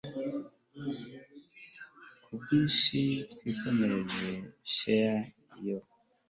kubwinshi twikomereze share yawe yo